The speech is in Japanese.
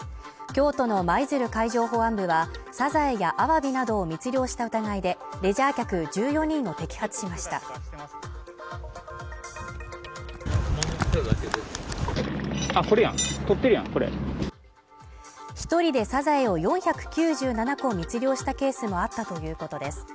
京都の舞鶴海上保安部はサザエやアワビなどを密漁した疑いでレジャー客１４人を摘発しました一人でサザエを４９７個を密漁したケースもあったということです